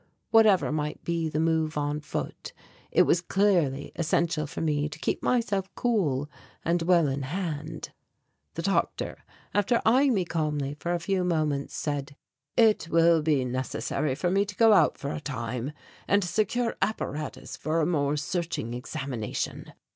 Whatever might be the move on foot it was clearly essential for me to keep myself cool and well in hand. The doctor, after eyeing me calmly for a few moments, said: "It will be necessary for me to go out for a time and secure apparatus for a more searching examination.